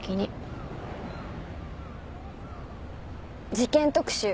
事件特集